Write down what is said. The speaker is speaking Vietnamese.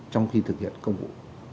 trong khi thực hiện công vụ